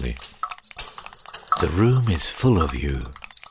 Interim THE ROOM is full of you!